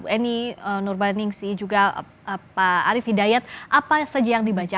eni nurbaningsi juga pak arief hidayat apa saja yang dibaca